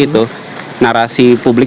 itu narasi publik